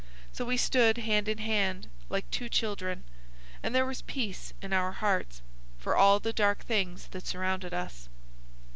So we stood hand in hand, like two children, and there was peace in our hearts for all the dark things that surrounded us.